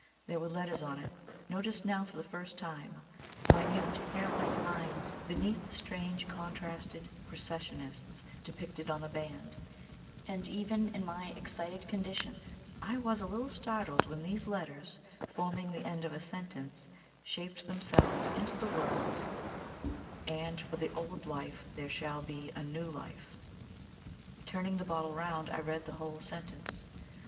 There were letters on it, noticed now for the first time minute, hair like lines beneath the strange contrasted processionists depicted on the band and even in my excited condition I was a little startled when these letters, forming the end of a sentence, shaped themselves into the words and for the old life there shall be a new life. Turning the bottle round I read the whole sentence.